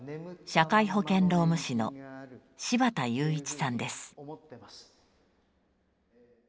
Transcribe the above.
社会保険労務士の柴田友都さんです。